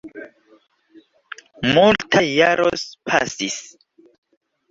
Multaj jaros pasis.